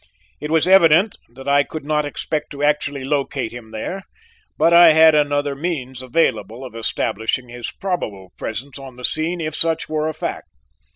It was evident that I could not expect to actually locate him there, but I had another means available of establishing his probable presence on the scene if such were a fact.